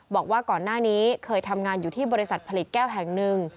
บอกว่าก่อนหน้านี้เคยทำงานอยู่ที่บริษัทผลิตแก้วแห่งหนึ่ง